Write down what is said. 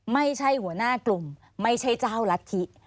ไม่ใช่หัวหน้ากลุ่มไม่ใช่เจ้ารัฐธิ